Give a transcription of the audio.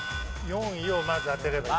４位をまず当てれば。